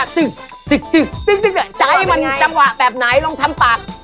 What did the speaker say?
ตึ๊กใจมันจังหวะแบบไหนลงทำตัด